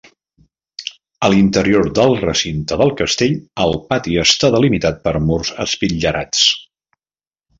A l'interior del recinte del castell, el pati està delimitat per murs espitllerats.